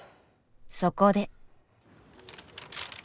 そこで。